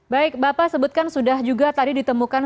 baik bapak sebutkan sudah juga tadi ditemukan